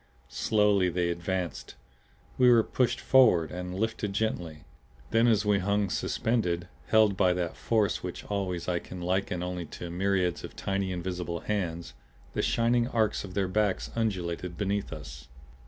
Slowly they advanced. We were pushed forward and lifted gently. Then as we hung suspended, held by that force which always I can liken only to myriads of tiny invisible hands, the shining arcs of their backs undulated beneath us.